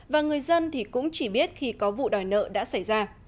và người dân thì cũng chỉ biết khi có vụ đòi nợ đã xảy ra